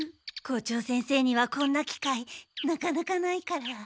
校長先生にはこんな機会なかなかないから。